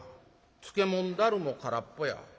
漬物だるも空っぽや。